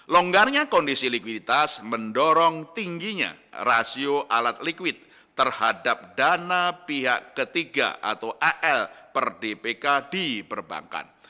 longgarnya kondisi likuiditas mendorong tingginya rasio alat likuid terhadap dana pihak ketiga atau al per dpk di perbankan